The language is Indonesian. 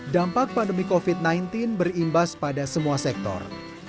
dampak pandemi covid sembilan belas berimbas pada semua sektor